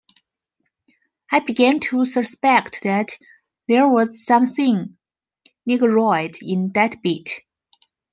I began to suspect that there was something Negroid in that beat.